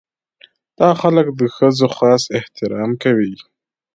دا خلک د ښځو خاص احترام کوي.